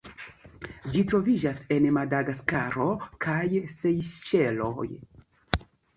Ĝi troviĝas en Madagaskaro kaj Sejŝeloj.